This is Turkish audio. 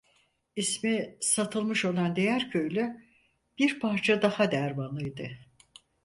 İsmi Satılmış olan diğer köylü bir parça daha dermanlıydı.